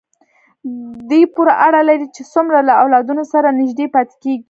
دې پورې اړه لري چې څومره له اولادونو سره نږدې پاتې کېږي.